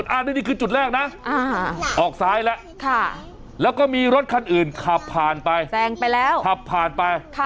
อ่าวดิดละะไงอันนี้คือจุดแรกน่ะออกซ้ายแล้วแล้วก็มีรถคันอื่นขับผ่านไป